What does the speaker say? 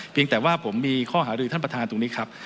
แต่ว่าผมมีข้อหารือท่านประธานตรงนี้ครับ